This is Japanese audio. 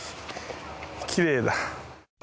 きれいだ。